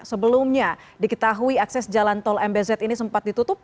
sebelumnya diketahui akses jalan tol mbz ini sempat ditutup